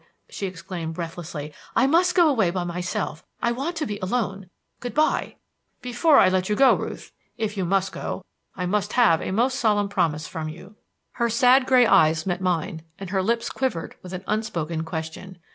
she exclaimed breathlessly; "I must go away by myself. I want to be alone. Good by." "Before I let you go, Ruth if you must go I must have a most solemn promise from you." Her sad gray eyes met mine and her lips quivered with an unspoken question.